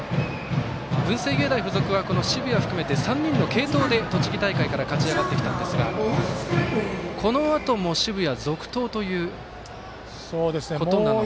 文星芸大付属は澁谷含めて３人の継投で栃木大会から勝ち上がってきたんですがこのあとも澁谷、続投ということなのか。